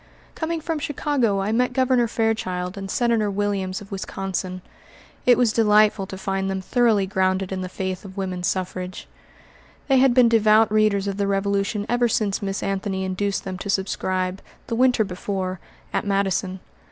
Coming from Chicago, I met Governor Fairchild and Senator Williams of Wisconsin. It was delightful to find them thoroughly grounded in the faith of woman suffrage. They had been devout readers of the Revolution ever since Miss Anthony induced them to subscribe, the winter before, at Madison.